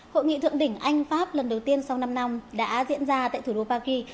hội nghị thượng đỉnh anh pháp lần đầu tiên sau năm năm đã diễn ra tại thủ đô paki